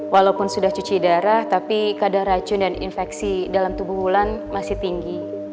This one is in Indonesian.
walaupun sudah cuci darah tapi kadar racun dan infeksi dalam tubuh wulan masih tinggi